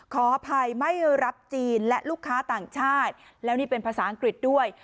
ขออภัยไม่รับจีนและลูกค้าต่างชาติแล้วนี่เป็นภาษาอังกฤษด้วย